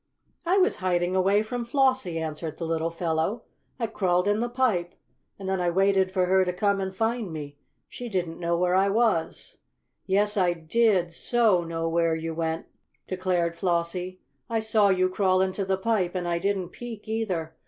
"I was hiding away from Flossie," answered the little fellow. "I crawled in the pipe, and then I waited for her to come and find me. She didn't know where I was." "Yes, I did so know where you went," declared Flossie. "I saw you crawl into the pipe, and I didn't peek, either.